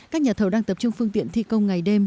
các nhà thầu đang tập trung phương tiện thi công ngày đêm